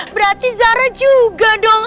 berarti zara juga dong